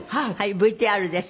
ＶＴＲです。